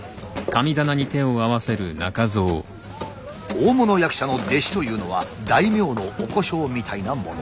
大物役者の弟子というのは大名のお小姓みたいなもの。